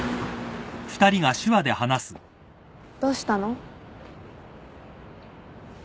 どうしたの？